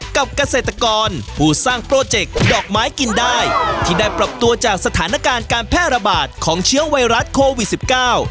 เกษตรกรผู้สร้างโปรเจกต์ดอกไม้กินได้ที่ได้ปรับตัวจากสถานการณ์การแพร่ระบาดของเชื้อไวรัสโควิดสิบเก้า